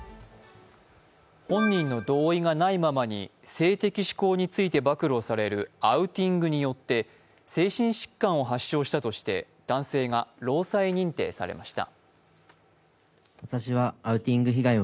本人の同意がないままに性的指向について暴露されるアウティングによって精神疾患を発症したとして男性が労災認定されました。